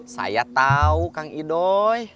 saya tau kang idoi